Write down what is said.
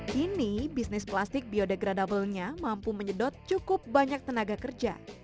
kini bisnis plastik biodegradabelnya mampu menyedot cukup banyak tenaga kerja